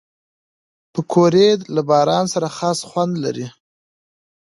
پکورې له باران سره خاص خوند لري